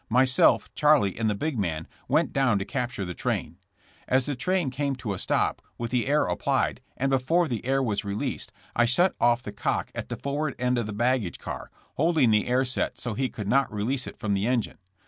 Myself, Charlie and the big man went down to capture the train. As the train came to a stop, with the air applied, and before the air was released, I shut off the cock at the forward end of the baggage car, holding the air set so he could not release it from the engine.